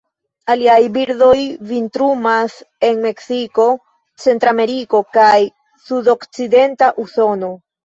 Aliaj birdoj vintrumas en Meksiko, Centrameriko, kaj sudokcidenta Usono.